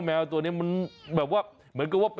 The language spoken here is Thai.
มาให้กินก่อน